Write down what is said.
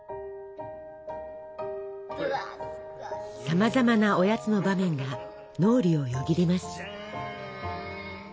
さまざまなおやつの場面が脳裏をよぎります。